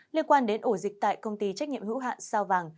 liên quan đến ổ dịch tại công ty trách nhiệm hữu hạn sao vàng